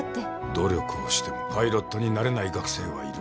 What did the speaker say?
努力をしてもパイロットになれない学生はいる。